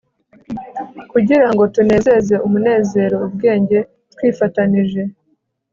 kugira ngo tunezeze umunezero, ubwenge twifatanije